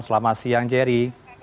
selamat siang jerry